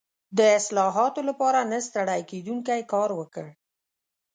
د اصلاحاتو لپاره نه ستړی کېدونکی کار وکړ.